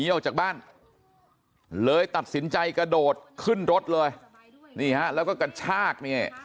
เลี่ยวจากบ้านเลยตัดสินใจกระโดดขึ้นรถเลยแล้วก็กระชาก